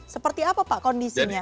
seperti apa pak kondisinya